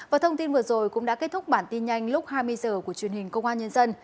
vào thông tin vừa rồi cũng đã kết thúc bản tin nhanh lúc hai mươi giờ của truyền hình